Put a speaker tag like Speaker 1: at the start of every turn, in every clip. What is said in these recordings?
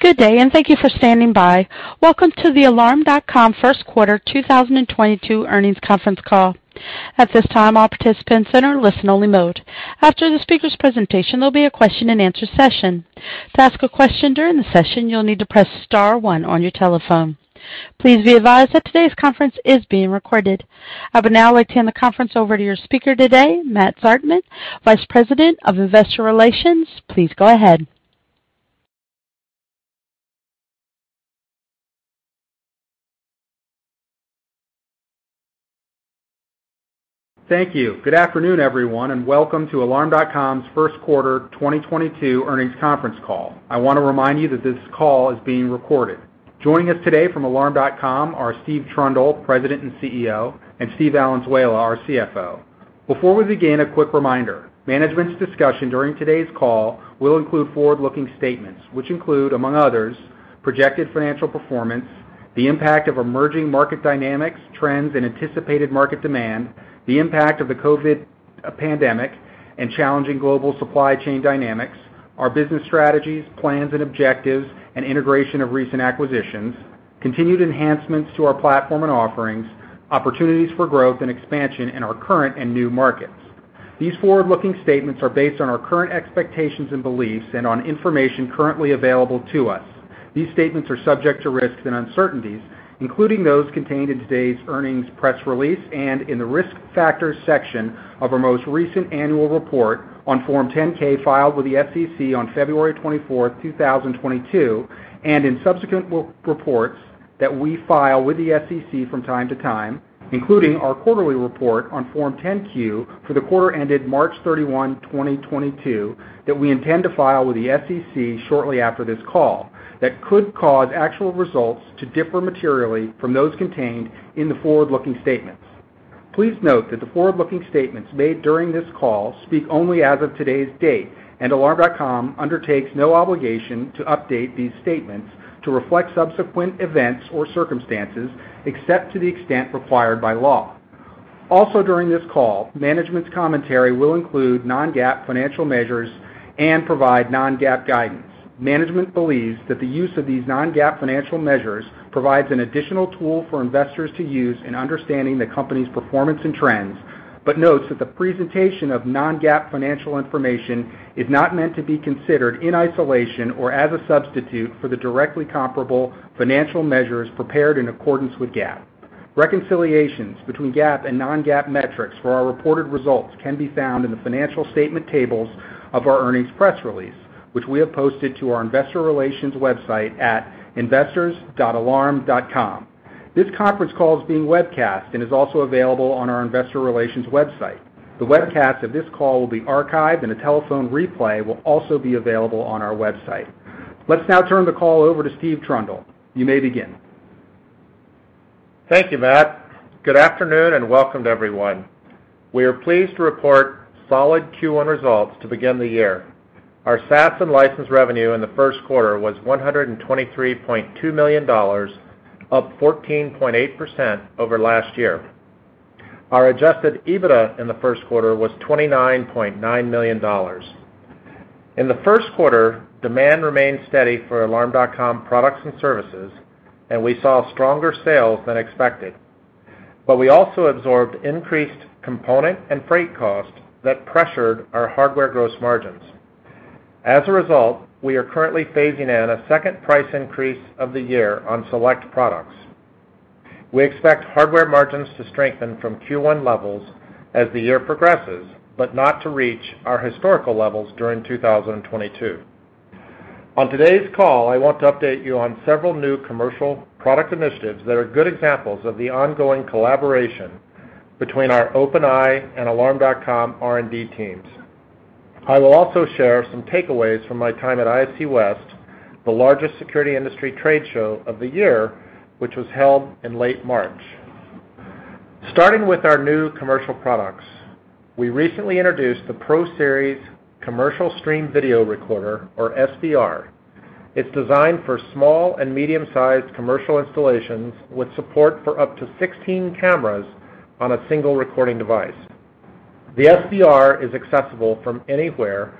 Speaker 1: Good day, and thank you for standing by. Welcome to the Alarm.com first quarter 2022 earnings conference call. At this time, all participants are in listen-only mode. After the speaker's presentation, there'll be a question-and-answer session. To ask a question during the session, you'll need to press star one on your telephone. Please be advised that today's conference is being recorded. I would now like to hand the conference over to your speaker today, Matt Zartman, Vice President of Investor Relations. Please go ahead.
Speaker 2: Thank you. Good afternoon, everyone, and welcome to Alarm.com's first quarter 2022 earnings conference call. I wanna remind you that this call is being recorded. Joining us today from Alarm.com are Steve Trundle, President and CEO, and Steve Valenzuela, our CFO. Before we begin, a quick reminder. Management's discussion during today's call will include forward-looking statements which include, among others, projected financial performance, the impact of emerging market dynamics, trends, and anticipated market demand, the impact of the COVID pandemic and challenging global supply chain dynamics, our business strategies, plans and objectives and integration of recent acquisitions, continued enhancements to our platform and offerings, opportunities for growth and expansion in our current and new markets. These forward-looking statements are based on our current expectations and beliefs and on information currently available to us. These statements are subject to risks and uncertainties, including those contained in today's earnings press release and in the Risk Factors section of our most recent annual report on Form 10-K filed with the SEC on February 24, 2022, and in subsequent reports that we file with the SEC from time to time, including our quarterly report on Form 10-Q for the quarter ended March 31, 2022 that we intend to file with the SEC shortly after this call, that could cause actual results to differ materially from those contained in the forward-looking statements. Please note that the forward-looking statements made during this call speak only as of today's date, and Alarm.com undertakes no obligation to update these statements to reflect subsequent events or circumstances, except to the extent required by law. Also during this call, management's commentary will include non-GAAP financial measures and provide non-GAAP guidance. Management believes that the use of these non-GAAP financial measures provides an additional tool for investors to use in understanding the company's performance and trends, but notes that the presentation of non-GAAP financial information is not meant to be considered in isolation or as a substitute for the directly comparable financial measures prepared in accordance with GAAP. Reconciliations between GAAP and non-GAAP metrics for our reported results can be found in the financial statement tables of our earnings press release, which we have posted to our investor relations website at investors.alarm.com. This conference call is being webcast and is also available on our investor relations website. The webcast of this call will be archived, and a telephone replay will also be available on our website. Let's now turn the call over to Steve Trundle. You may begin.
Speaker 3: Thank you, Matt. Good afternoon, and welcome to everyone. We are pleased to report solid Q1 results to begin the year. Our SaaS and license revenue in the first quarter was $123.2 million, up 14.8% over last year. Our adjusted EBITDA in the first quarter was $29.9 million. In the first quarter, demand remained steady for Alarm.com products and services, and we saw stronger sales than expected, but we also absorbed increased component and freight costs that pressured our hardware gross margins. As a result, we are currently phasing in a second price increase of the year on select products. We expect hardware margins to strengthen from Q1 levels as the year progresses, but not to reach our historical levels during 2022. On today's call, I want to update you on several new commercial product initiatives that are good examples of the ongoing collaboration between our OpenEye and Alarm.com R&D teams. I will also share some takeaways from my time at ISC West, the largest security industry trade show of the year, which was held in late March. Starting with our new commercial products. We recently introduced the Pro Series Commercial Stream Video Recorder, or SVR. It's designed for small and medium-sized commercial installations with support for up to 16 cameras on a single recording device. The SVR is accessible from anywhere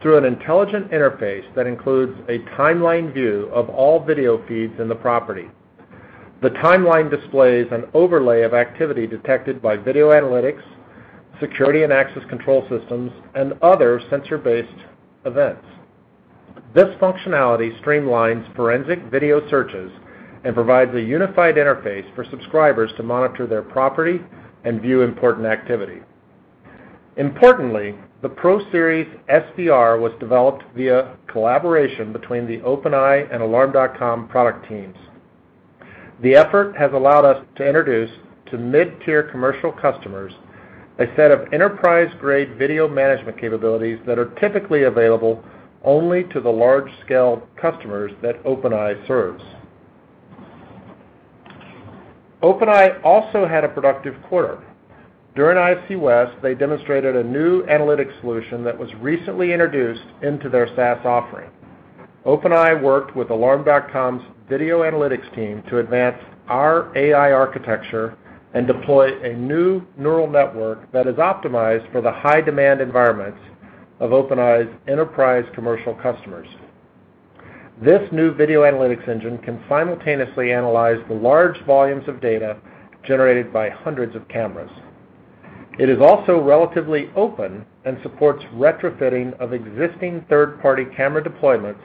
Speaker 3: through an intelligent interface that includes a timeline view of all video feeds in the property. The timeline displays an overlay of activity detected by video analytics, security and access control systems, and other sensor-based events. This functionality streamlines forensic video searches and provides a unified interface for subscribers to monitor their property and view important activity. Importantly, the Pro Series SVR was developed via collaboration between the OpenEye and Alarm.com product teams. The effort has allowed us to introduce to mid-tier commercial customers a set of enterprise-grade video management capabilities that are typically available only to the large-scale customers that OpenEye serves. OpenEye also had a productive quarter. During ISC West, they demonstrated a new analytics solution that was recently introduced into their SaaS offering. OpenEye worked with Alarm.com's video analytics team to advance our AI architecture and deploy a new neural network that is optimized for the high-demand environments of OpenEye's enterprise commercial customers. This new video analytics engine can simultaneously analyze the large volumes of data generated by hundreds of cameras. It is also relatively open and supports retrofitting of existing third-party camera deployments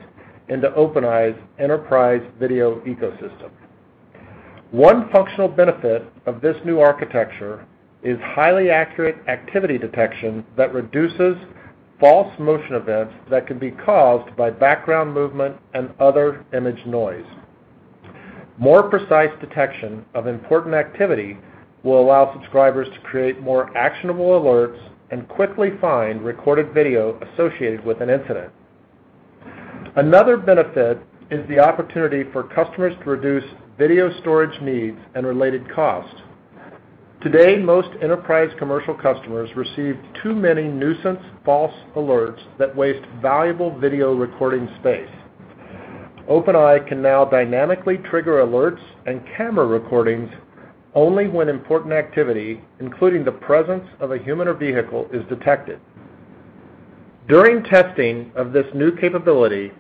Speaker 3: into OpenEye's enterprise video ecosystem. One functional benefit of this new architecture is highly accurate ac tivity detection that reduces false motion events that can be caused by background movement and other image noise. More precise detection of important activity will allow subscribers to create more actionable alerts and quickly find recorded video associated with an incident. Another benefit is the opportunity for customers to reduce video storage needs and related costs. Today, most enterprise commercial customers receive too many nuisance false alerts that waste valuable video recording space. OpenEye can now dynamically trigger alerts and camera recordings only when important activity, including the presence of a human or vehicle, is detected. During testing of this new capability,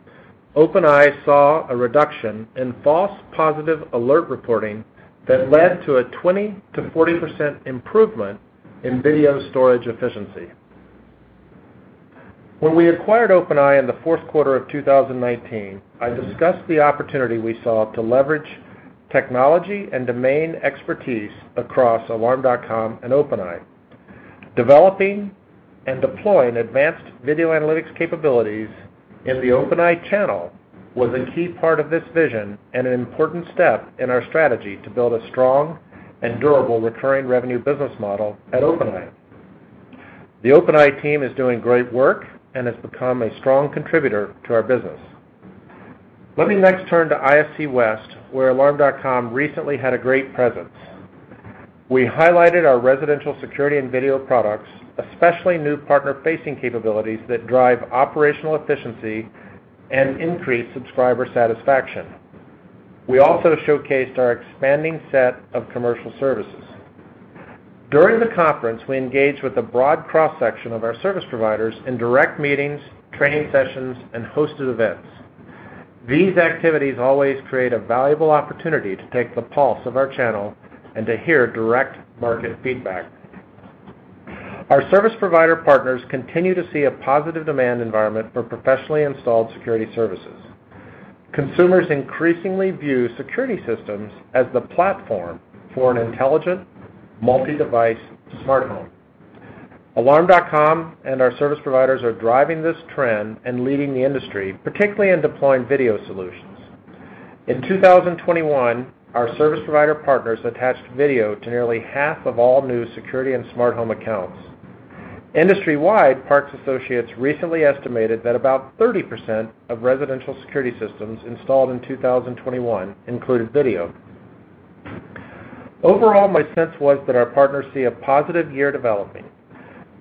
Speaker 3: OpenEye saw a reduction in false positive alert reporting that led to a 20%-40% improvement in video storage efficiency. When we acquired OpenEye in the fourth quarter of 2019, I discussed the opportunity we saw to leverage technology and domain expertise across Alarm.com and OpenEye. Developing and deploying advanced video analytics capabilities in the OpenEye channel was a key part of this vision and an important step in our strategy to build a strong and durable recurring revenue business model at OpenEye. The OpenEye team is doing great work and has become a strong contributor to our business. Let me next turn to ISC West, where Alarm.com recently had a great presence. We highlighted our residential security and video products, especially new partner-facing capabilities that drive operational efficiency and increase subscriber satisfaction. We also showcased our expanding set of commercial services. During the conference, we engaged with a broad cross-section of our service providers in direct meetings, training sessions and hosted events. These activities always create a valuable opportunity to take the pulse of our channel and to hear direct market feedback. Our service provider partners continue to see a positive demand environment for professionally installed security services. Consumers increasingly view security systems as the platform for an intelligent multi-device smart home. Alarm.com and our service providers are driving this trend and leading the industry, particularly in deploying video solutions. In 2021, our service provider partners attached video to nearly half of all new security and smart home accounts. Industry-wide, Parks Associates recently estimated that about 30% of residential security systems installed in 2021 included video. Overall, my sense was that our partners see a positive year developing.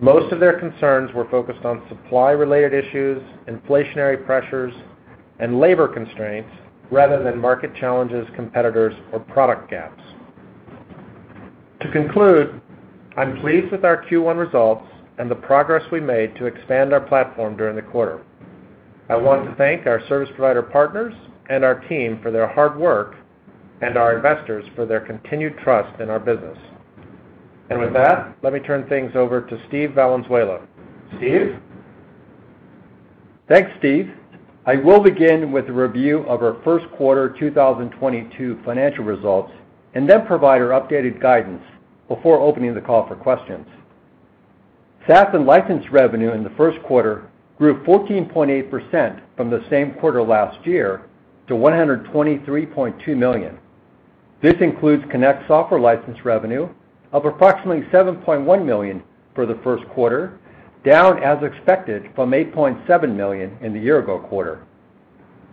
Speaker 3: Most of their concerns were focused on supply-related issues, inflationary pressures, and labor constraints rather than market challenges, competitors or product gaps. To conclude, I'm pleased with our Q1 results and the progress we made to expand our platform during the quarter. I want to thank our service provider partners and our team for their hard work and our investors for their continued trust in our business. With that, let me turn things over to Steve Valenzuela. Steve?
Speaker 4: Thanks, Steve. I will begin with a review of our first quarter 2022 financial results, and then provide our updated guidance before opening the call for questions. SaaS and license revenue in the first quarter grew 14.8% from the same quarter last year to $123.2 million. This includes Connect software license revenue of approximately $7.1 million for the first quarter, down as expected from $8.7 million in the year-ago quarter.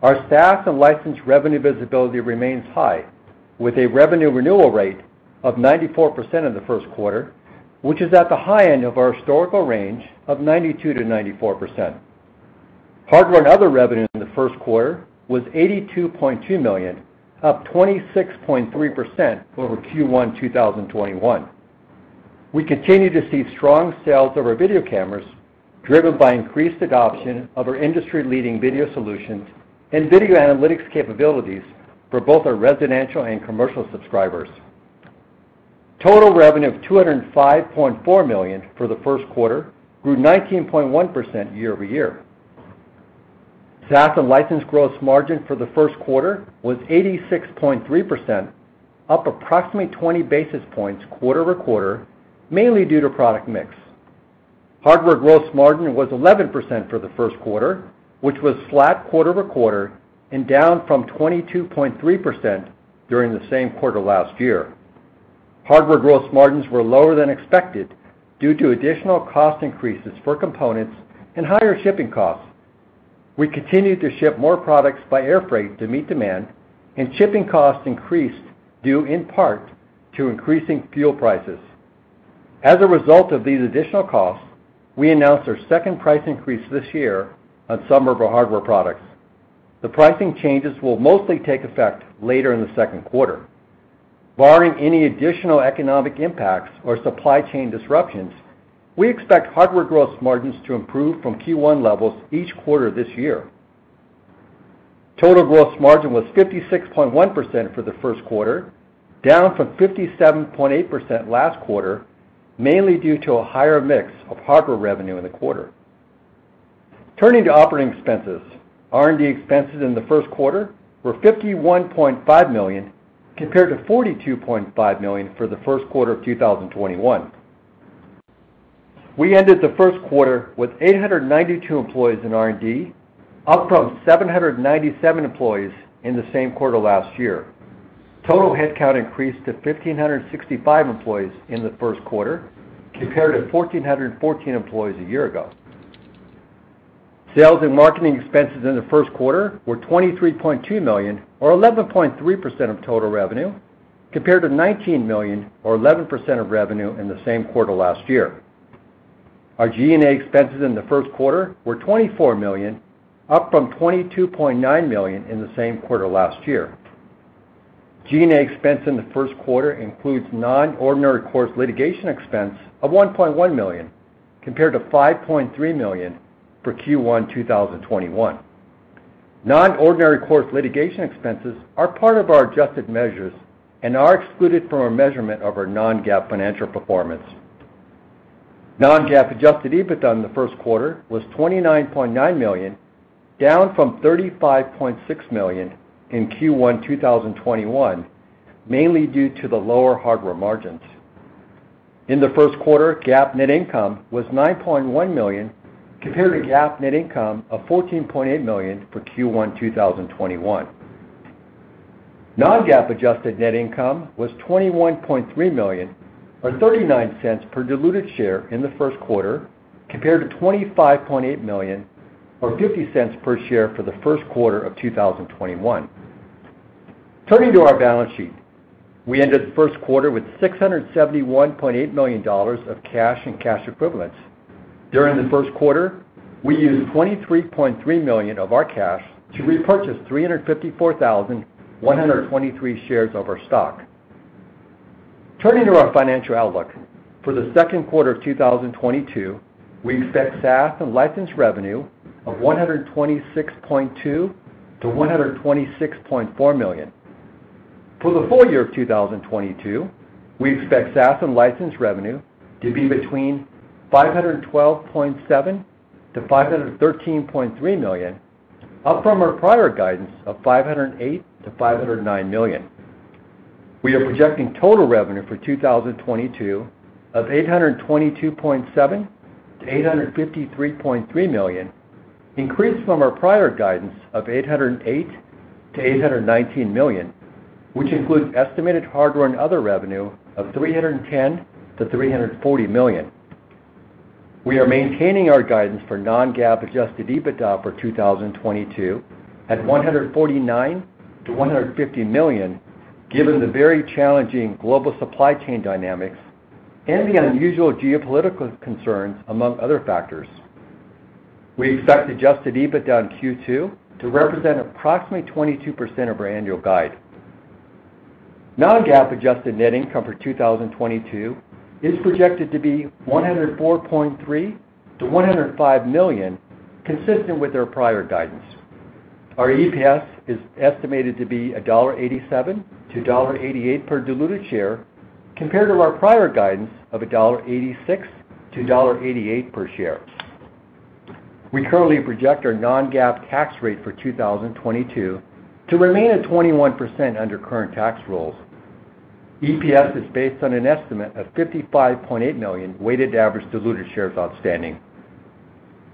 Speaker 4: Our SaaS and license revenue visibility remains high, with a revenue renewal rate of 94% in the first quarter, which is at the high end of our historical range of 92%-94%. Hardware and other revenue in the first quarter was $82.2 million, up 26.3% over Q1 2021. We continue to see strong sales of our video cameras driven by increased adoption of our industry-leading video solutions and video analytics capabilities for both our residential and commercial subscribers. Total revenue of $205.4 million for the first quarter grew 19.1% year-over-year. SaaS and license gross margin for the first quarter was 86.3%, up approximately 20 basis points quarter-over-quarter, mainly due to product mix. Hardware gross margin was 11% for the first quarter, which was flat quarter-over-quarter and down from 22.3% during the same quarter last year. Hardware gross margins were lower than expected due to additional cost increases for components and higher shipping costs. We continued to ship more products by air freight to meet demand, and shipping costs increased due in part to increasing fuel prices. As a result of these additional costs, we announced our second price increase this year on some of our hardware products. The pricing changes will mostly take effect later in the second quarter. Barring any additional economic impacts or supply chain disruptions, we expect hardware growth margins to improve from Q1 levels each quarter this year. Total growth margin was 56.1% for the first quarter, down from 57.8% last quarter, mainly due to a higher mix of hardware revenue in the quarter. Turning to operating expenses. R&D expenses in the first quarter were $51.5 million, compared to $42.5 million for the first quarter of 2021. We ended the first quarter with 892 employees in R&D, up from 797 employees in the same quarter last year. Total headcount increased to 1,565 employees in the first quarter compared to 1,414 employees a year ago. Sales and marketing expenses in the first quarter were $23.2 million or 11.3% of total revenue, compared to $19 million or 11% of revenue in the same quarter last year. Our G&A expenses in the first quarter were $24 million, up from $22.9 million in the same quarter last year. G&A expense in the first quarter includes non-ordinary course litigation expense of $1.1 million, compared to $5.3 million for Q1 2021. Non-ordinary course litigation expenses are part of our adjusted measures and are excluded from our measurement of our non-GAAP financial performance. Non-GAAP adjusted EBITDA in the first quarter was $29.9 million, down from $35.6 million in Q1 2021, mainly due to the lower hardware margins. In the first quarter, GAAP net income was $9.1 million compared to GAAP net income of $14.8 million for Q1 2021. Non-GAAP adjusted net income was $21.3 million or $0.39 per diluted share in the first quarter compared to $25.8 million or $0.50 per share for the first quarter of 2021. Turning to our balance sheet. We ended the first quarter with $671.8 million of cash and cash equivalents. During the first quarter, we used $23.3 million of our cash to repurchase 354,123 shares of our stock. Turning to our financial outlook. For the second quarter of 2022, we expect SaaS and license revenue of $126.2 million-$126.4 million. For the full year of 2022, we expect SaaS and license revenue to be between $512.7 million-$513.3 million, up from our prior guidance of $508 million-$509 million. We are projecting total revenue for 2022 of $822.7 million-$853.3 million, increased from our prior guidance of $808 million-$819 million, which includes estimated hardware and other revenue of $310 million-$340 million.
Speaker 5: We are maintaining our guidance for non-GAAP adjusted EBITDA for 2022 at $149 million-$150 million, given the very challenging global supply chain dynamics and the unusual geopolitical concerns, among other factors. We expect adjusted EBITDA in Q2 to represent approximately 22% of our annual guide. Non-GAAP adjusted net income for 2022 is projected to be $104.3 million-$105 million, consistent with our prior guidance. Our EPS is estimated to be $1.87-$1.88 per diluted share compared to our prior guidance of $1.86-$1.88 per share. We currently project our non-GAAP tax rate for 2022 to remain at 21% under current tax rules.
Speaker 4: EPS is based on an estimate of 55.8 million weighted average diluted shares outstanding.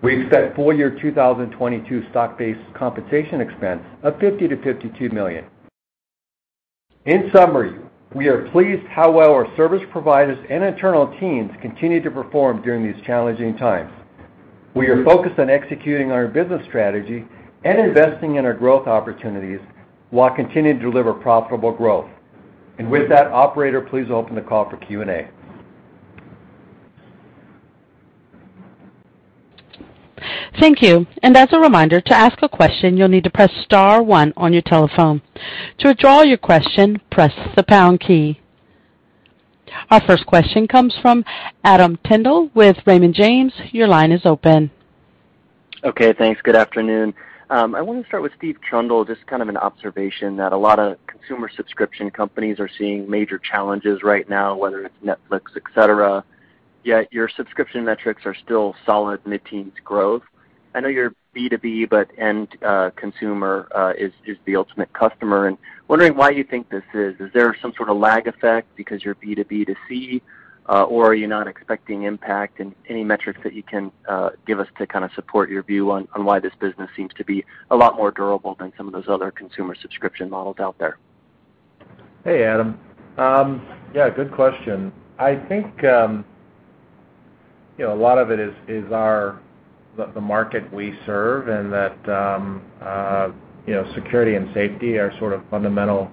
Speaker 4: We expect full year 2022 stock-based compensation expense of $50 million-$52 million. In summary, we are pleased how well our service providers and internal teams continue to perform during these challenging times. We are focused on executing our business strategy and investing in our growth opportunities while continuing to deliver profitable growth. With that, operator, please open the call for Q&A.
Speaker 1: Thank you. As a reminder, to ask a question, you'll need to press star one on your telephone. To withdraw your question, press the pound key. Our first question comes from Adam Tindle with Raymond James. Your line is open.
Speaker 5: Okay, thanks. Good afternoon. I want to start with Steve Trundle. Just kind of an observation that a lot of consumer subscription companies are seeing major challenges right now, whether it's Netflix, et cetera, yet your subscription metrics are still solid mid-teens growth. I know you're B2B, but end consumer is the ultimate customer. Wondering why you think this is. Is there some sort of lag effect because you're B2B2C, or are you not expecting impact? Any metrics that you can give us to kind of support your view on why this business seems to be a lot more durable than some of those other consumer subscription models out there.
Speaker 3: Hey, Adam. Yeah, good question. I think you know, a lot of it is the market we serve and that you know, security and safety are sort of fundamental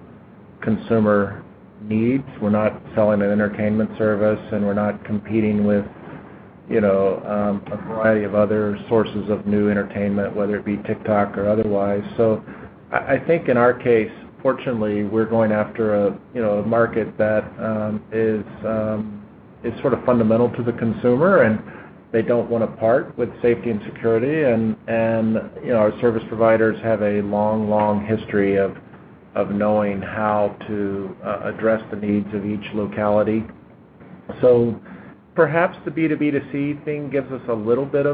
Speaker 3: consumer needs. We're not selling an entertainment service, and we're not competing with You know, a variety of other sources of new entertainment, whether it be TikTok or otherwise. I think in our case, fortunately, we're going after a, you know, a market that is sort of fundamental to the consumer, and they don't wanna part with safety and security. You know, our service providers have a long history of knowing how to address the needs of each locality. Perhaps the B2B2C thing gives us a little bit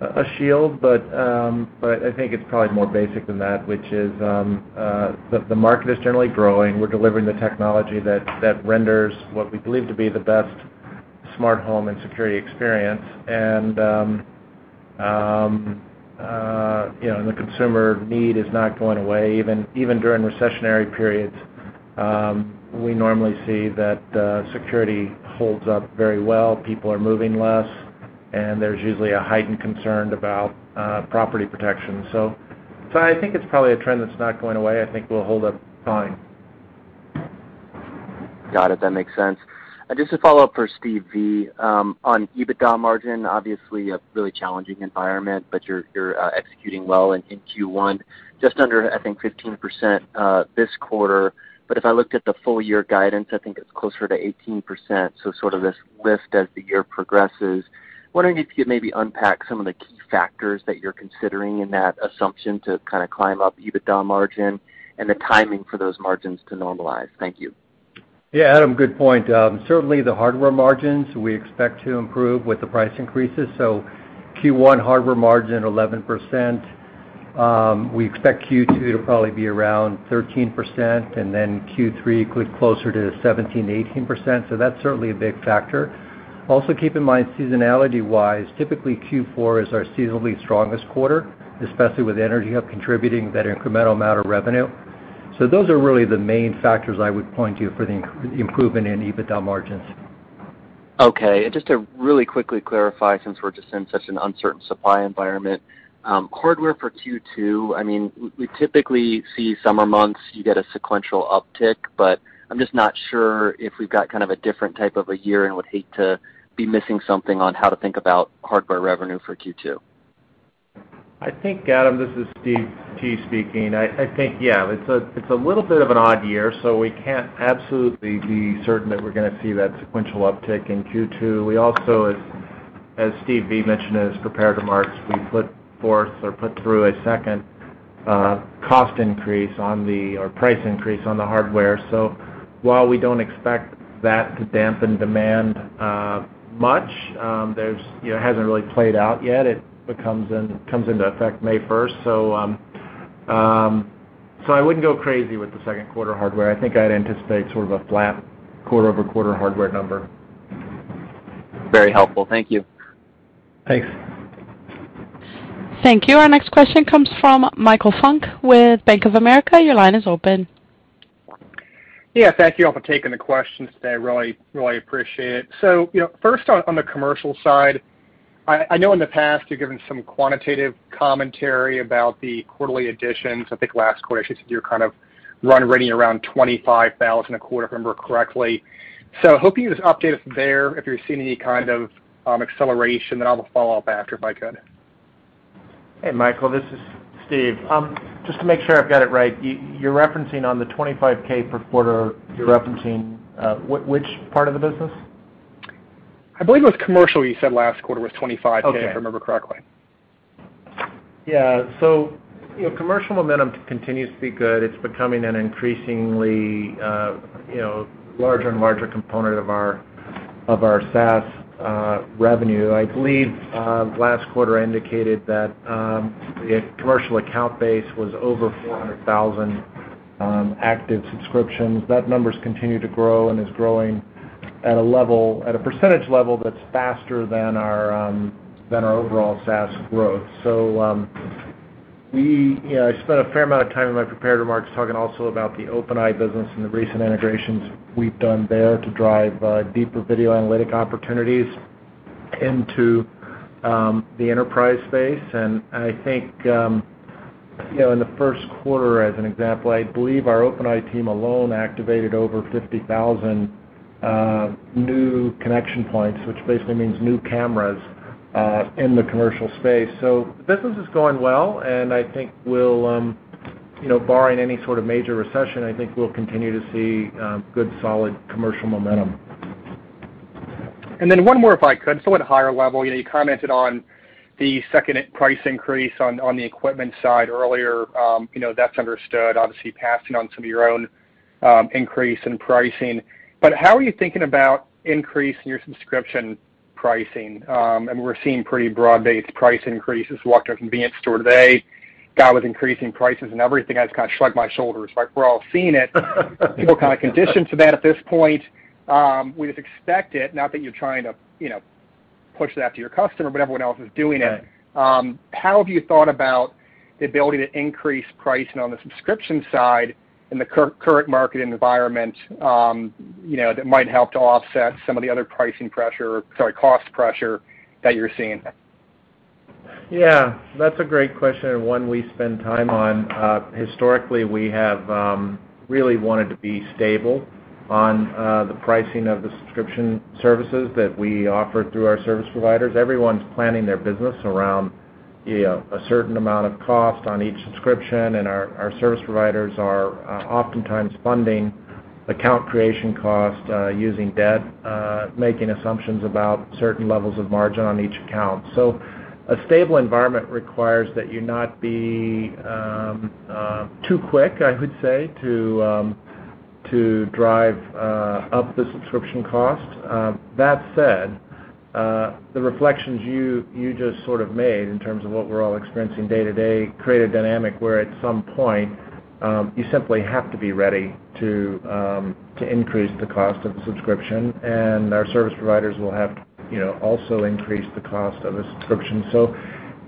Speaker 3: of a shield, but I think it's probably more basic than that, which is the market is generally growing. We're delivering the technology that renders what we believe to be the best smart home and security experience. You know, the consumer need is not going away. Even during recessionary periods, we normally see that security holds up very well. People are moving less, and there's usually a heightened concern about property protection. I think it's probably a trend that's not going away. I think we'll hold up fine.
Speaker 5: Got it. That makes sense. Just a follow-up for Steve V. On EBITDA margin, obviously a really challenging environment, but you're executing well in Q1, just under, I think, 15%, this quarter. If I looked at the full year guidance, I think it's closer to 18%, so sort of this lift as the year progresses. Wondering if you could maybe unpack some of the key factors that you're considering in that assumption to kinda climb up EBITDA margin and the timing for those margins to normalize. Thank you.
Speaker 4: Yeah, Adam, good point. Certainly the hardware margins we expect to improve with the price increases. Q1 hardware margin 11%. We expect Q2 to probably be around 13% and then Q3 closer to 17%-18%, so that's certainly a big factor. Also, keep in mind, seasonality-wise, typically Q4 is our seasonally strongest quarter, especially with EnergyHub contributing that incremental amount of revenue. Those are really the main factors I would point to for the improvement in EBITDA margins.
Speaker 5: Okay. Just to really quickly clarify, since we're just in such an uncertain supply environment, hardware for Q2, I mean, we typically see summer months, you get a sequential uptick, but I'm just not sure if we've got kind of a different type of a year and would hate to be missing something on how to think about hardware revenue for Q2.
Speaker 3: Adam, this is Steve T. speaking. I think it's a little bit of an odd year, so we can't absolutely be certain that we're gonna see that sequential uptick in Q2. We also, as Steve V, mentioned in his prepared remarks, we put forth or put through a second cost increase on the, or price increase on the hardware. So while we don't expect that to dampen demand much, there's, you know, it hasn't really played out yet. It comes into effect May 1st. So I wouldn't go crazy with the second quarter hardware. I think I'd anticipate sort of a flat quarter over quarter hardware number.
Speaker 5: Very helpful. Thank you.
Speaker 3: Thanks.
Speaker 1: Thank you. Our next question comes from Michael Funk with Bank of America. Your line is open.
Speaker 6: Yeah. Thank you all for taking the questions today. Really appreciate it. You know, first on the commercial side, I know in the past, you've given some quantitative commentary about the quarterly additions. I think last quarter you said you're kind of running around 25,000 a quarter, if I remember correctly. Hoping you just update us there if you're seeing any kind of acceleration, then I'll follow up after if I could.
Speaker 3: Hey, Michael. This is Steve. Just to make sure I've got it right, you're referencing on the $25K per quarter, which part of the business?
Speaker 6: I believe it was commercial you said last quarter was 25K.
Speaker 3: Okay.
Speaker 6: If I remember correctly.
Speaker 3: Yeah. You know, commercial momentum continues to be good. It's becoming an increasingly, you know, larger and larger component of our SaaS revenue. I believe last quarter indicated that the commercial account base was over 400,000 active subscriptions. That number's continued to grow and is growing at a percentage level that's faster than our overall SaaS growth. We, you know, I spent a fair amount of time in my prepared remarks talking also about the OpenEye business and the recent integrations we've done there to drive deeper video analytic opportunities into the enterprise space. I think in the first quarter as an example, I believe our OpenEye team alone activated over 50,000 new connection points, which basically means new cameras in the commercial space. The business is going well, and I think we'll, you know, barring any sort of major recession, I think we'll continue to see good solid commercial momentum.
Speaker 6: Then one more if I could. At a higher level, you know, you commented on the second price increase on the equipment side earlier. You know, that's understood, obviously passing on some of your own increase in pricing. How are you thinking about increasing your subscription pricing? We're seeing pretty broad-based price increases. Walked in a convenience store today, guy was increasing prices and everything. I just kinda shrugged my shoulders, like we're all seeing it. People are kinda conditioned to that at this point. We just expect it, not that you're trying to, you know, push that to your customer, but everyone else is doing it. How have you thought about the ability to increase pricing on the subscription side in the current market environment, you know, that might help to offset some of the other cost pressure that you're seeing?
Speaker 3: Yeah, that's a great question and one we spend time on. Historically, we have really wanted to be stable on the pricing of the subscription services that we offer through our service providers. Everyone's planning their business around, you know, a certain amount of cost on each subscription, and our service providers are oftentimes funding account creation costs using debt making assumptions about certain levels of margin on each account. A stable environment requires that you not be too quick, I would say, to drive up the subscription cost. That said, the reflections you just sort of made in terms of what we're all experiencing day to day create a dynamic where at some point, you simply have to be ready to increase the cost of the subscription, and our service providers will have, you know, also increase the cost of a subscription.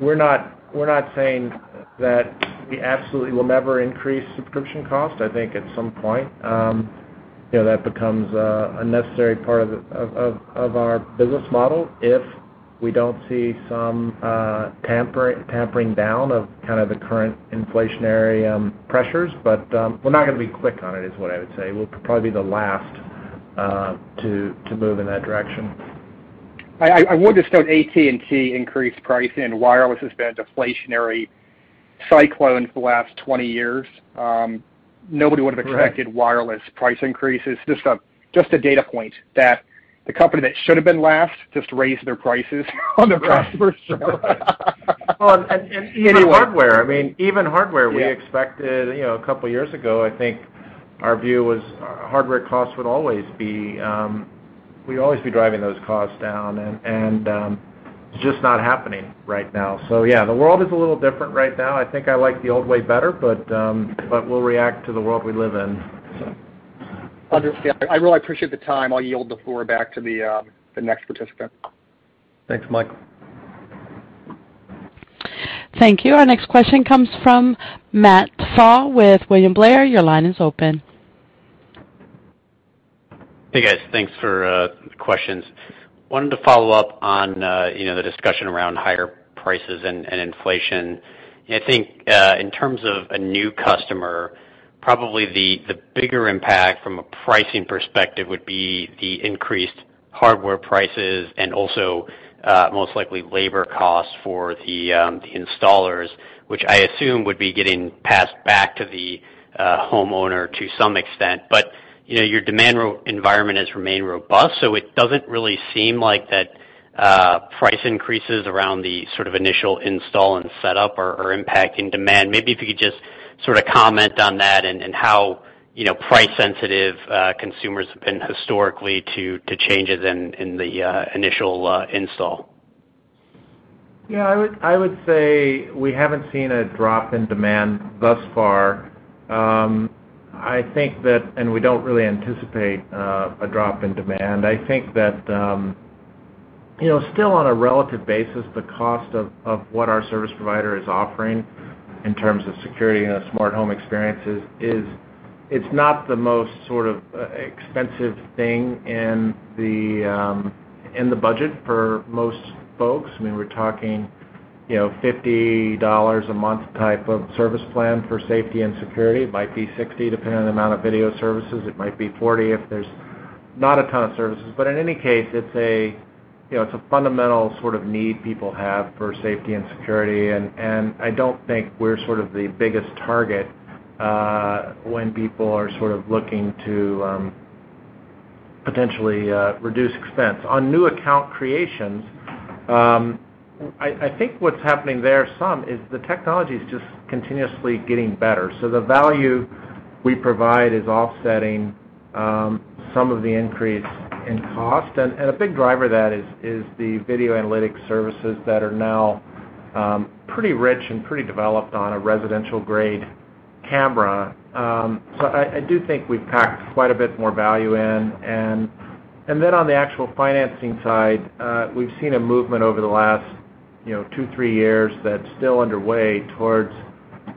Speaker 3: We're not saying that we absolutely will never increase subscription cost. I think at some point, you know, that becomes a necessary part of our business model if we don't see some tempering down of kind of the current inflationary pressures. We're not gonna be quick on it, is what I would say. We'll probably be the last to move in that direction.
Speaker 6: I would just note AT&T increased pricing in wireless has been a deflationary cycle for the last 20 years. Nobody would have expected.
Speaker 3: Right.
Speaker 6: Wireless price increases. Just a data point that the company that should have been last just raised their prices on their customers.
Speaker 3: Well, even hardware. I mean, even hardware.
Speaker 6: Yeah.
Speaker 3: We expected, you know, a couple years ago, I think our view was hardware costs would always be. We'd always be driving those costs down and it's just not happening right now. Yeah, the world is a little different right now. I think I like the old way better, but we'll react to the world we live in.
Speaker 6: Understand. I really appreciate the time. I'll yield the floor back to the next participant.
Speaker 3: Thanks, Michael.
Speaker 1: Thank you. Our next question comes from Matt Pfau with William Blair. Your line is open.
Speaker 7: Hey, guys. Thanks for the questions. Wanted to follow up on the discussion around higher prices and inflation. In terms of a new customer, probably the bigger impact from a pricing perspective would be the increased hardware prices and also, most likely labor costs for the installers, which I assume would be getting passed back to the homeowner to some extent. You know, your demand environment has remained robust, so it doesn't really seem like that price increases around the sort of initial install and setup are impacting demand. Maybe if you could just sort of comment on that and how, you know, price sensitive consumers have been historically to changes in the initial install.
Speaker 3: Yeah, I would say we haven't seen a drop in demand thus far. I think that we don't really anticipate a drop in demand. I think that, you know, still on a relative basis, the cost of what our service provider is offering in terms of security and a smart home experience is, it's not the most sort of expensive thing in the budget for most folks. I mean, we're talking, you know, $50 a month type of service plan for safety and security. It might be $60, depending on the amount of video services. It might be $40 if there's not a ton of services. In any case, it's a, you know, fundamental sort of need people have for safety and security. I don't think we're sort of the biggest target when people are sort of looking to potentially reduce expense. On new account creations, I think what's happening there some is the technology is just continuously getting better. The value we provide is offsetting some of the increase in cost. A big driver of that is the video analytics services that are now pretty rich and pretty developed on a residential-grade camera. I do think we've packed quite a bit more value in. Then on the actual financing side, we've seen a movement over the last, you know, two, three years that's still underway towards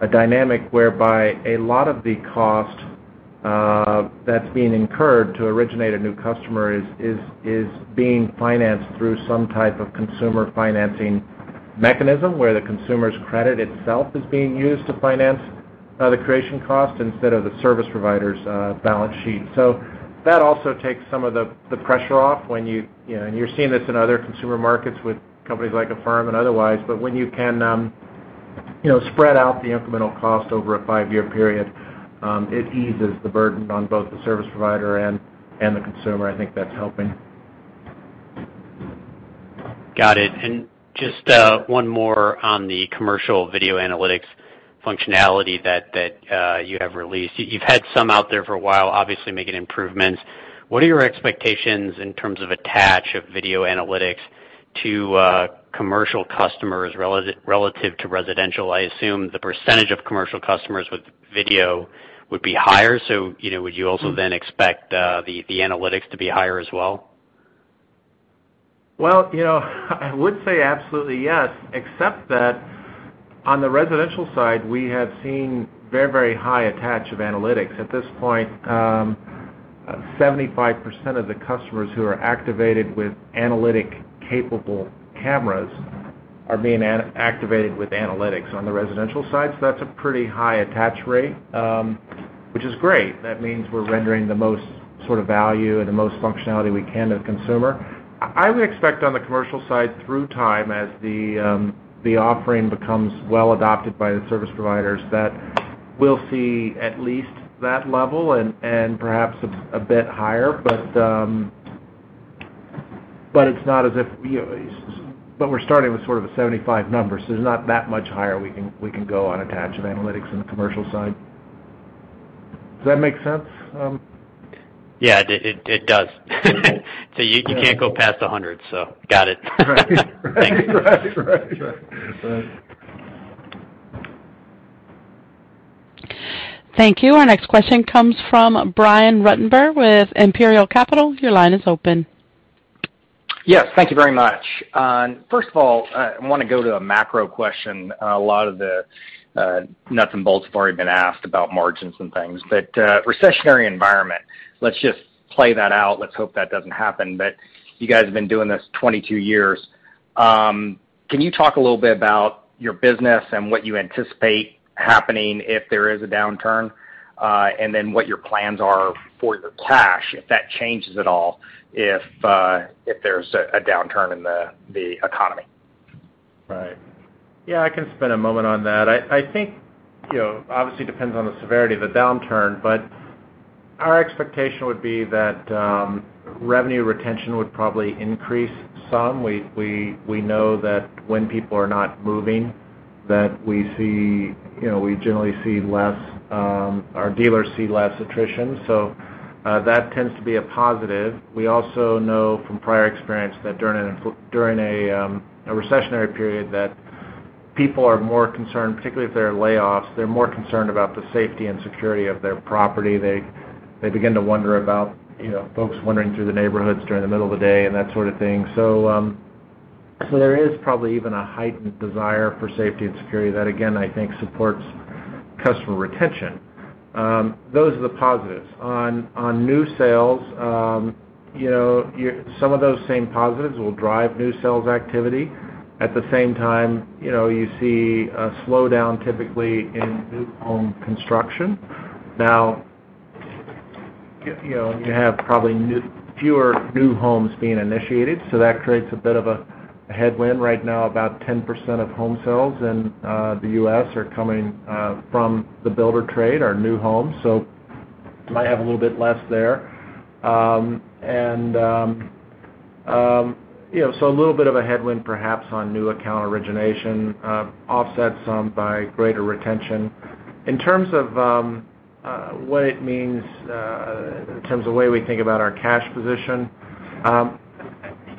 Speaker 3: a dynamic whereby a lot of the cost that's being incurred to originate a new customer is being financed through some type of consumer financing mechanism where the consumer's credit itself is being used to finance the creation cost instead of the service provider's balance sheet. That also takes some of the pressure off when you know, and you're seeing this in other consumer markets with companies like Affirm and otherwise. When you can, you know, spread out the incremental cost over a five-year period, it eases the burden on both the service provider and the consumer. I think that's helping.
Speaker 7: Got it. Just one more on the commercial video analytics functionality that you have released. You've had some out there for a while, obviously making improvements. What are your expectations in terms of attach of video analytics to commercial customers relative to residential? I assume the percentage of commercial customers with video would be higher, so you know, would you also then expect the analytics to be higher as well?
Speaker 3: Well, you know, I would say absolutely yes. On the residential side, we have seen very, very high attach of analytics. At this point, 75% of the customers who are activated with analytic-capable cameras are being activated with analytics on the residential side. So that's a pretty high attach rate, which is great. That means we're rendering the most sort of value and the most functionality we can to the consumer. I would expect on the commercial side through time as the offering becomes well adopted by the service providers, that we'll see at least that level and perhaps a bit higher. We're starting with sort of a 75 number, so there's not that much higher we can go on attach of analytics on the commercial side. Does that make sense?
Speaker 7: Yeah, it does. You can't go past 100, so got it.
Speaker 3: Right.
Speaker 1: Thank you. Our next question comes from Brian Ruttenbur with Imperial Capital. Your line is open.
Speaker 8: Yes. Thank you very much. First of all, I wanna go to a macro question. A lot of the nuts and bolts have already been asked about margins and things. Recessionary environment, let's just play that out. Let's hope that doesn't happen. You guys have been doing this 22 years. Can you talk a little bit about your business and what you anticipate happening if there is a downturn? And then what your plans are for your cash, if that changes at all, if there's a downturn in the economy.
Speaker 3: Right. Yeah, I can spend a moment on that. I think, you know, obviously depends on the severity of the downturn, but our expectation would be that revenue retention would probably increase some. We know that when people are not moving, you know, our dealers see less attrition. So, that tends to be a positive. We also know from prior experience that during a recessionary period that people are more concerned, particularly if there are layoffs, they're more concerned about the safety and security of their property. They begin to wonder about, you know, folks wandering through the neighborhoods during the middle of the day and that sort of thing. So, there is probably even a heightened desire for safety and security that again, I think supports customer retention. Those are the positives. On new sales, you know, some of those same positives will drive new sales activity. At the same time, you know, you see a slowdown typically in new home construction. Now, you know, you have probably fewer new homes being initiated, so that creates a bit of a headwind. Right now, about 10% of home sales in the U.S. are coming from the builder trade or new homes. You might have a little bit less there. A little bit of a headwind, perhaps on new account origination, offset some by greater retention. In terms of what it means in terms of the way we think about our cash position,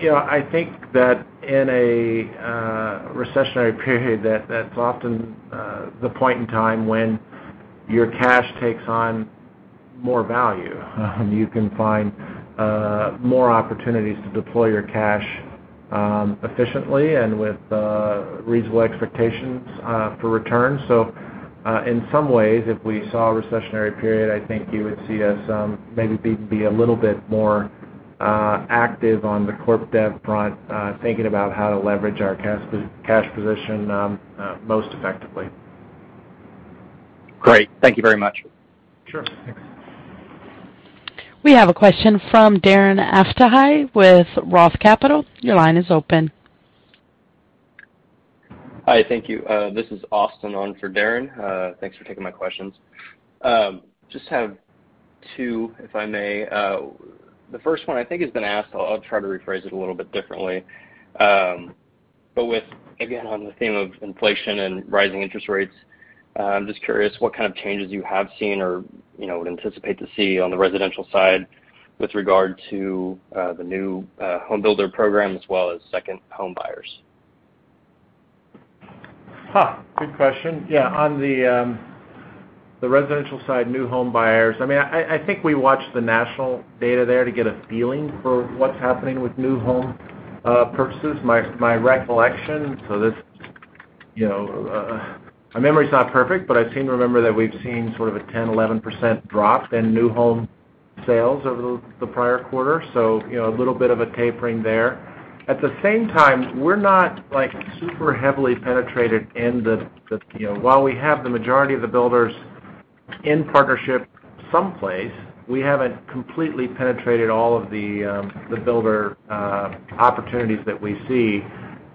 Speaker 3: you know, I think that in a recessionary period, that's often the point in time when your cash takes on more value. You can find more opportunities to deploy your cash efficiently and with reasonable expectations for return. In some ways, if we saw a recessionary period, I think you would see us maybe be a little bit more active on the corp dev front, thinking about how to leverage our cash position most effectively.
Speaker 8: Great. Thank you very much.
Speaker 3: Sure. Thanks.
Speaker 1: We have a question from Darren Aftahi with Roth Capital. Your line is open.
Speaker 9: Hi. Thank you. This is Austin on for Darren. Thanks for taking my questions. Just have two, if I may. The first one I think has been asked, so I'll try to rephrase it a little bit differently. With, again, on the theme of inflation and rising interest rates, I'm just curious what kind of changes you have seen or, you know, would anticipate to see on the residential side with regard to the new home builder program as well as second home buyers.
Speaker 3: Huh. Good question. Yeah. On the residential side, new home buyers, I mean, I think we watch the national data there to get a feeling for what's happening with new home purchases. My recollection, you know, my memory's not perfect, but I seem to remember that we've seen sort of a 10%-11% drop in new home sales over the prior quarter. You know, a little bit of a tapering there. At the same time, we're not like super heavily penetrated in the, you know. While we have the majority of the builders in partnership someplace, we haven't completely penetrated all of the builder opportunities that we see.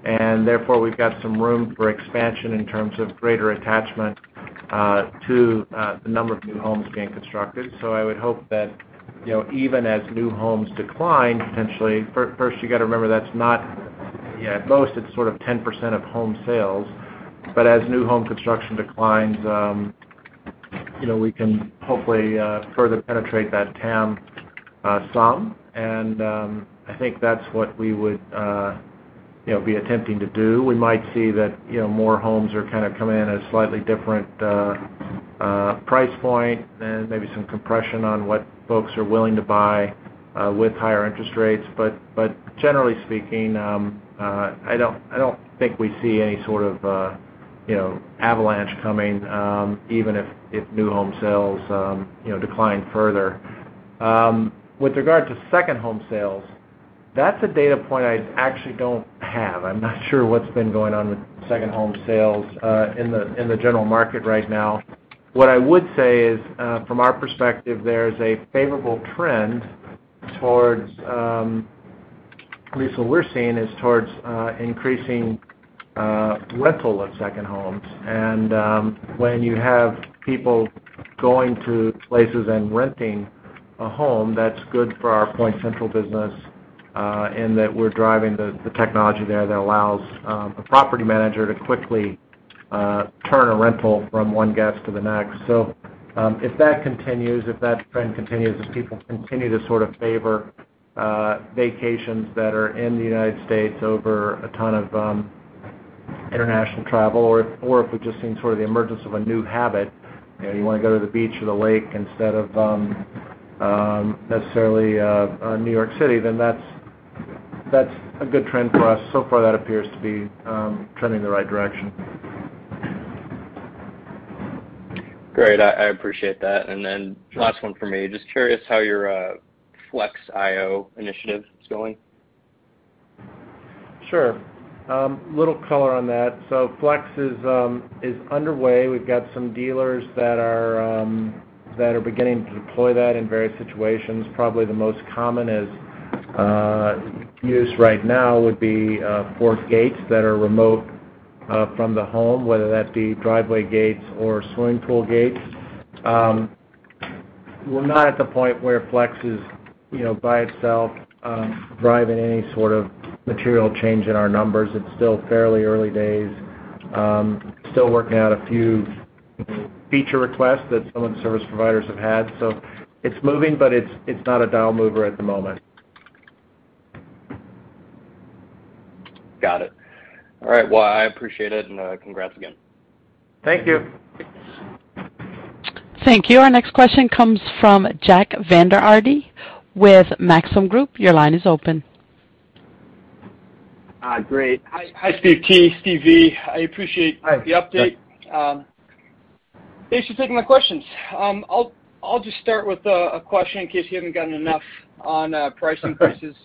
Speaker 3: Therefore, we've got some room for expansion in terms of greater attachment to the number of new homes being constructed. I would hope that, you know, even as new homes decline potentially, first you gotta remember that's not. Yeah, at most, it's sort of 10% of home sales. As new home construction declines, you know, we can hopefully further penetrate that TAM some. I think that's what we would, you know, be attempting to do. We might see that, you know, more homes are kinda coming in at slightly different price point and maybe some compression on what folks are willing to buy with higher interest rates. But generally speaking, I don't think we see any sort of, you know, avalanche coming, even if new home sales, you know, decline further. With regard to second home sales, that's a data point I actually don't have. I'm not sure what's been going on with second home sales in the general market right now. What I would say is, from our perspective, there's a favorable trend towards at least what we're seeing is towards increasing rental of second homes. When you have people going to places and renting a home, that's good for our PointCentral business in that we're driving the technology there that allows a property manager to quickly turn a rental from one guest to the next. If that trend continues, as people continue to sort of favor vacations that are in the United States over a ton of international travel, or if we've just seen sort of the emergence of a new habit, you know, you wanna go to the beach or the lake instead of necessarily New York City, then that's a good trend for us. So far, that appears to be trending in the right direction.
Speaker 9: Great. I appreciate that. Last one for me. Just curious how your Flex IO initiative is going?
Speaker 3: Sure. Little color on that. Flex is underway. We've got some dealers that are beginning to deploy that in various situations. Probably the most common use right now would be for gates that are remote from the home, whether that be driveway gates or swimming pool gates. We're not at the point where Flex is, you know, by itself driving any sort of material change in our numbers. It's still fairly early days. Still working out a few feature requests that some of the service providers have had. It's moving, but it's not a dial mover at the moment.
Speaker 9: Got it. All right. Well, I appreciate it, and congrats again.
Speaker 3: Thank you.
Speaker 1: Thank you. Our next question comes from Jack Vander Aarde with Maxim Group. Your line is open.
Speaker 10: Great. Hi, Steve T, Steve V. I appreciate the update. Thanks for taking my questions. I'll just start with a question in case you haven't gotten enough on price increases.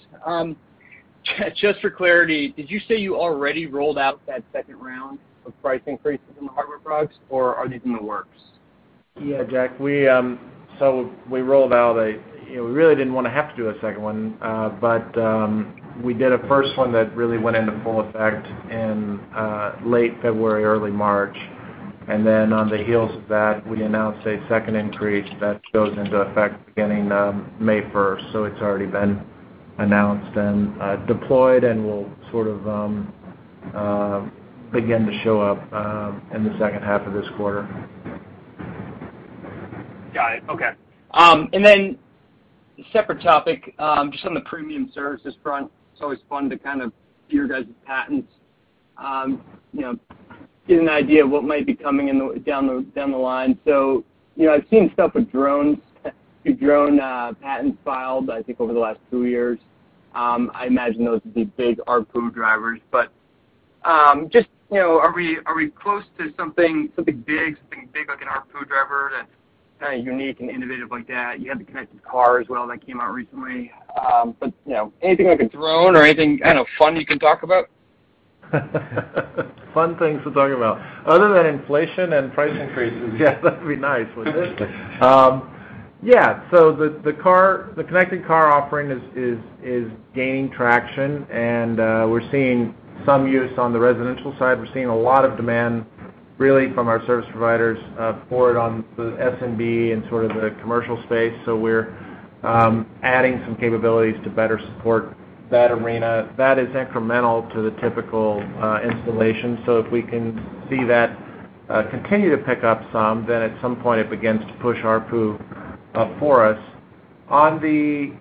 Speaker 10: Just for clarity, did you say you already rolled out that second round of price increases in the hardware products, or are these in the works?
Speaker 3: Yeah, Jack, we rolled out. You know, we really didn't wanna have to do a second one, but we did a first one that really went into full effect in late February, early March. On the heels of that, we announced a second increase that goes into effect beginning May 1st. It's already been announced and deployed, and will sort of begin to show up in the second half of this quarter.
Speaker 10: Got it. Okay. Separate topic, just on the premium services front, it's always fun to kind of hear you guys' patents, you know, get an idea of what might be coming in the down the line. You know, I've seen stuff with drones patents filed, I think, over the last two years. I imagine those will be big ARPU drivers. Just, you know, are we close to something big like an ARPU driver that's kinda unique and innovative like that? You had the connected car as well that came out recently. You know, anything like a drone or anything kind of fun you can talk about?
Speaker 3: Fun things to talk about. Other than inflation and price increases, yes, that'd be nice, wouldn't it? Yeah. The connected car offering is gaining traction and we're seeing some use on the residential side. We're seeing a lot of demand really from our service providers for it on the SMB and sort of the commercial space. We're adding some capabilities to better support that arena. That is incremental to the typical installation. If we can see that continue to pick up some, then at some point it begins to push ARPU for us. On the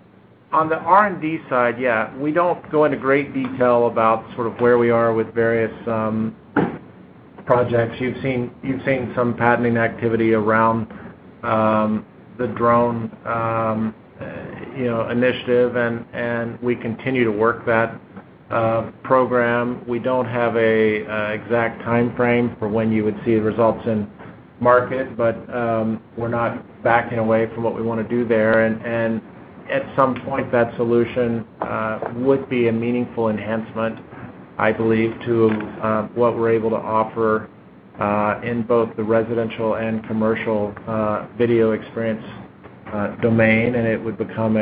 Speaker 3: R&D side, yeah, we don't go into great detail about sort of where we are with various projects. You've seen some patenting activity around the drone, you know, initiative, and we continue to work that program. We don't have an exact timeframe for when you would see the results in market, but we're not backing away from what we wanna do there. At some point, that solution would be a meaningful enhancement, I believe, to what we're able to offer in both the residential and commercial video experience domain, and it would become,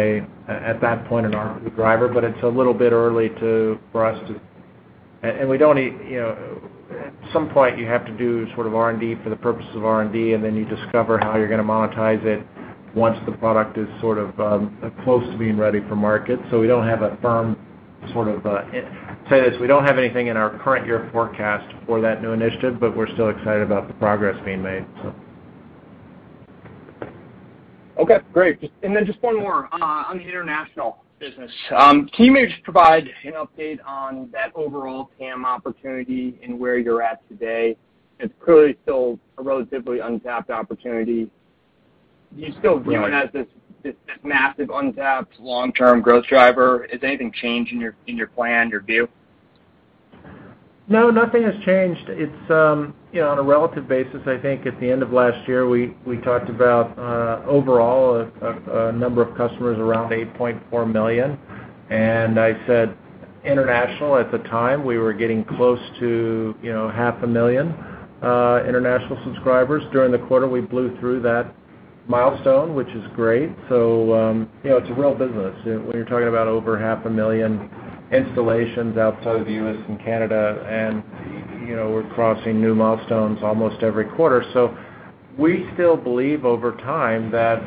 Speaker 3: at that point, an ARPU driver. But it's a little bit early for us to. We don't, you know, at some point, you have to do sort of R&D for the purpose of R&D, and then you discover how you're gonna monetize it once the product is sort of close to being ready for market. We don't have a firm sort of, we don't have anything in our current year forecast for that new initiative, but we're still excited about the progress being made.
Speaker 10: Okay, great. Just and then just one more on the international business. Can you maybe just provide an update on that overall TAM opportunity and where you're at today? It's clearly still a relatively untapped opportunity. Do you still view it as this massive untapped long-term growth driver? Has anything changed in your plan, your view?
Speaker 3: No, nothing has changed. It's you know, on a relative basis, I think at the end of last year, we talked about overall a number of customers around 8.4 million. I said international at the time, we were getting close to you know, half a million international subscribers. During the quarter, we blew through that milestone, which is great. It's a real business when you're talking about over half a million installations outside of the U.S. and Canada, and you know, we're crossing new milestones almost every quarter. We still believe over time that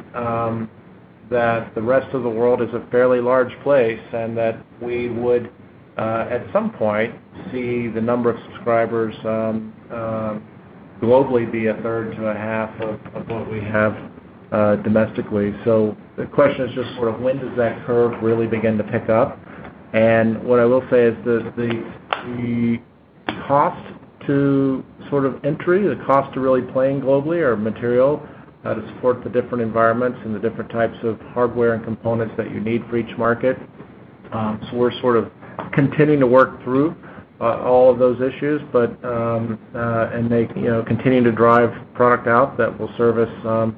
Speaker 3: the rest of the world is a fairly large place, and that we would at some point see the number of subscribers globally be a third to a half of what we have domestically. The question is just sort of when does that curve really begin to pick up? What I will say is this: the cost of entry, the cost of really playing globally are material to support the different environments and the different types of hardware and components that you need for each market. We're sort of continuing to work through all of those issues. You know, continuing to drive product out that will serve you know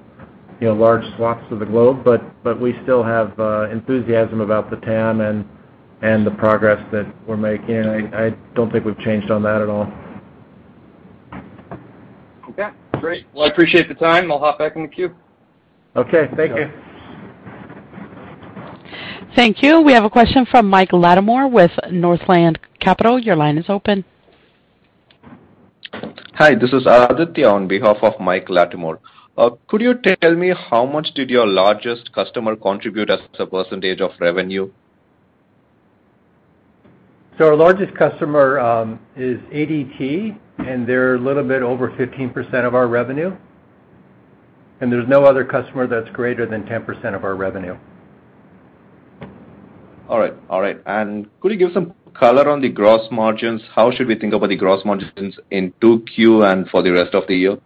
Speaker 3: large swaths of the globe, but we still have enthusiasm about the TAM and the progress that we're making, and I don't think we've changed on that at all.
Speaker 10: Okay, great. Well, I appreciate the time, and I'll hop back in the queue.
Speaker 3: Okay. Thank you.
Speaker 1: Thank you. We have a question from Mike Latimore with Northland Capital. Your line is open.
Speaker 11: Hi, this is Aditya on behalf of Mike Latimore. Could you tell me how much did your largest customer contribute as a percentage of revenue?
Speaker 4: Our largest customer is ADT, and they're a little bit over 15% of our revenue, and there's no other customer that's greater than 10% of our revenue.
Speaker 11: All right. Could you give some color on the gross margins? How should we think about the gross margins in 2Q and for the rest of the year?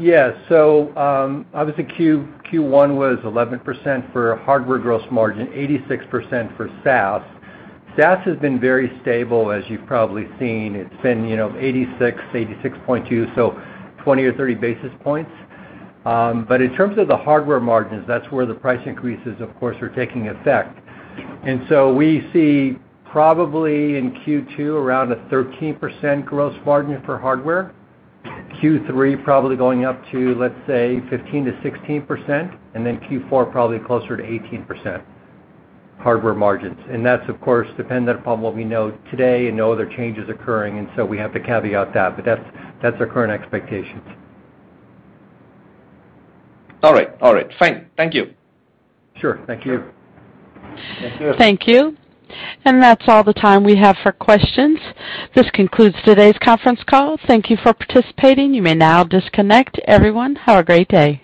Speaker 4: Yeah. Obviously Q1 was 11% for hardware gross margin, 86% for SaaS. SaaS has been very stable, as you've probably seen. It's been 86.2, so 20 or 30 basis points. But in terms of the hardware margins, that's where the price increases, of course, are taking effect. We see probably in Q2 around a 13% gross margin for hardware. Q3 probably going up to, let's say, 15%-16%, and then Q4 probably closer to 18% hardware margins. That's of course dependent upon what we know today and no other changes occurring, and we have to caveat that, but that's our current expectations.
Speaker 11: All right. Fine. Thank you.
Speaker 4: Sure. Thank you.
Speaker 1: Thank you. That's all the time we have for questions. This concludes today's conference call. Thank you for participating. You may now disconnect. Everyone, have a great day.